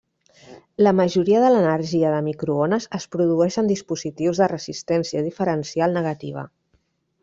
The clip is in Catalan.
La majoria de l'energia de microones es produeix amb dispositius de resistència diferencial negativa.